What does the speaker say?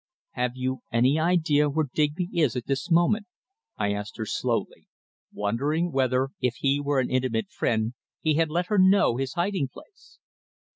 "Have you any idea where Digby is at this moment?" I asked her slowly, wondering whether if he were an intimate friend he had let her know his hiding place.